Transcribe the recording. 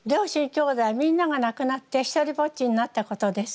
きょうだいみんなが亡くなってひとりぼっちになったことです。